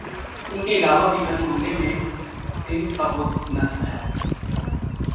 ان کے علاوہ بھی ہر محلے میں سینٹ کا بت نصب ہے